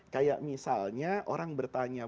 kayak misalnya orang bertanya